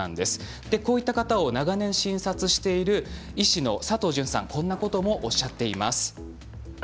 こういった方を長年診てきた医師の佐藤純さんはこんなことをおっしゃっています。